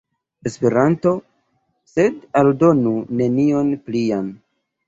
Esperanto, sed aldonu nenion plian.